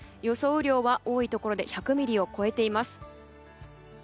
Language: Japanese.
雨量は、多いところで１００ミリを超えています。